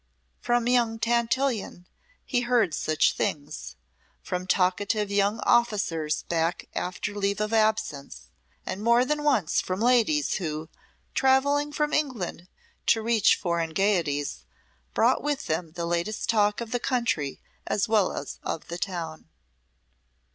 From young Tantillion he heard such things, from talkative young officers back after leave of absence, and more than once from ladies who, travelling from England to reach foreign gayeties, brought with them the latest talk of the country as well as of the town.